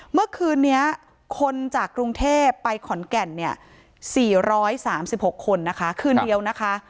เมื่อคืนนี้คนจากกรุงเทพไปขอนแก่นเนี่ย๔๓๖คนนะคะคืนเดียวนะคะ